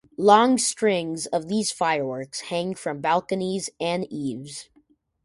Long strings of these fireworks hang from balconies and eaves.